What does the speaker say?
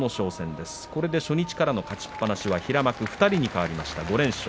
これで初日からの勝ちっぱなしは平幕２人に変わりました。